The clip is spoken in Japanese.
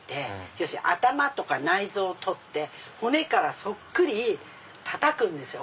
要するに頭とか内臓を取って骨からそっくりたたくんですよ